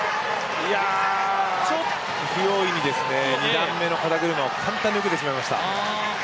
不用意に２段目の肩車を簡単に受けてしまいました。